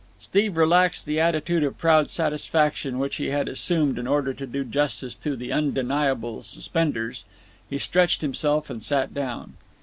Steve relaxed the attitude of proud satisfaction which he had assumed in order to do justice to the Undeniable Suspenders. He stretched himself and sat down.